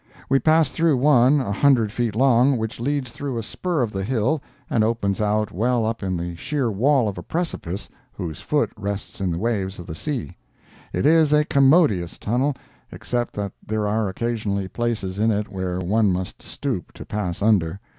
We passed through one a hundred feet long, which leads through a spur of the hill and opens out well up in the sheer wall of a precipice whose foot rests in the waves of the sea. It is a commodious tunnel, except that there are occasionally places in it where one must stoop to pass under.